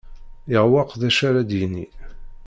Yeɛweq d acu ara d-yini.